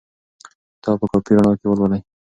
کتاب په کافي رڼا کې ولولئ.